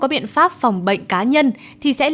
có biện pháp phòng bệnh cá nhân thì sẽ lây lạc